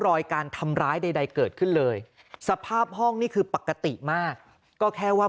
รอยการทำร้ายใดเกิดขึ้นเลยสภาพห้องนี่คือปกติมากก็แค่ว่า